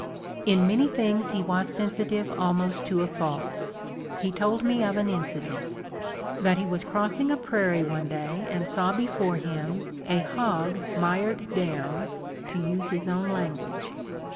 " In many things he was sensitive almost to a fault. He told me of an incident : that he was crossing a prairie one day and saw before him, ' a hog mired down,' to use his own language.